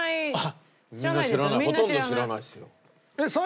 ほとんど知らないですよ。